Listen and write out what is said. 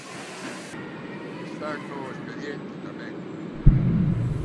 Están no expediente tamén.